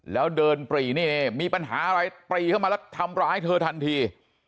แล้วเดินปรีนี่มีปัญหาอะไรปรีเข้ามาแล้วทำร้ายเธอทันที